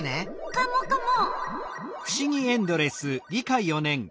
カモカモ。